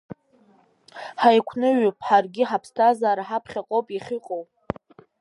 Ҳаигәныҩып ҳаргьы ҳаԥсҭазаара ҳаԥхьаҟоуп иахьыҟоу.